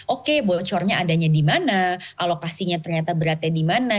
oke bocornya adanya di mana alokasinya ternyata beratnya di mana